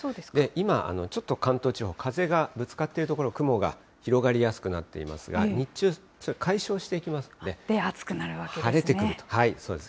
今ちょっと関東地方、風がぶつかっている所、雲が広がりやすくなっていますが、日中、で、暑くなるわけですね。